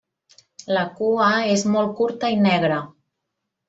La cua és molt curta i negra.